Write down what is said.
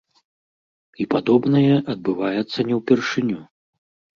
І падобнае адбываецца не ўпершыню.